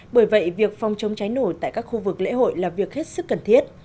bởi vậy việc phòng chống cháy nổ tại các khu vực lễ hội là việc hết sức cần thiết